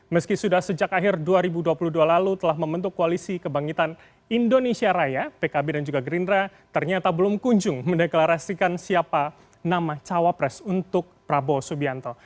meski sudah sejak akhir dua ribu dua puluh dua lalu telah membentuk koalisi kebangkitan indonesia raya pkb dan juga gerindra ternyata belum kunjung mendeklarasikan siapa nama cawapres untuk prabowo subianto